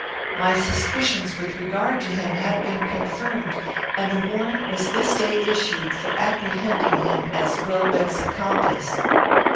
My suspicions with regard to him have been confirmed, and a warrant was this day issued for apprehending him as Welbeck's accomplice."